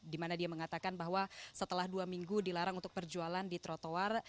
dimana dia mengatakan bahwa setelah dua minggu dilarang untuk perjualan di trotoar